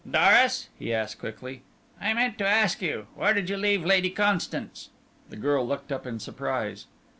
"Doris," he asked quickly, "I meant to ask you where did you leave Lady Constance?" The girl looked up in surprise.